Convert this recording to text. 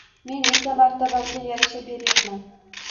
Men esa, martabamga yarasha beryapman